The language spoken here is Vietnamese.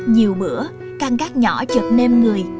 nhiều bữa căn gác nhỏ chợt nêm người